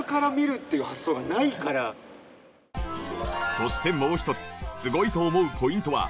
そしてもう一つすごいと思うポイントは。